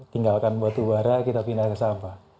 tinggalkan batubara kita pindah ke sampah